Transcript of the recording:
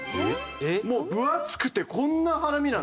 もう分厚くてこんなハラミなんですよ。